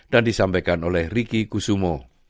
dan disampaikan oleh ricky kudus